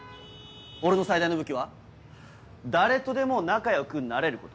俺の最大の武器は誰とでも仲良くなれること。